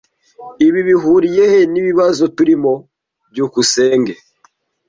Ibi bihuriye he nibibazo turimo? byukusenge